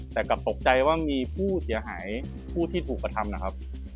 แต่กลับตกใจว่ามีผู้เสียหายผู้ที่ถูกกระทำนะครับ